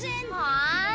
あ。